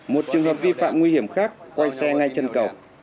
một trường hợp vi phạm nguy hiểm khác quay xe ngay chân cầu